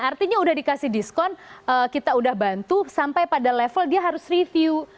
artinya udah dikasih diskon kita udah bantu sampai pada level dia harus review